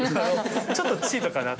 ちょっとチートかな。